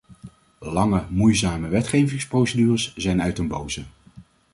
Lange, moeizame wetgevingsprocedures zijn uit den boze.